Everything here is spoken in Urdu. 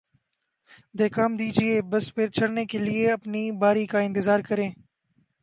دھکا م دیجئے، بس پر چڑھنے کے لئے اپنی باری کا انتظار کریں